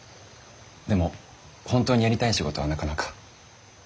でも本当にやりたい仕事はなかなか。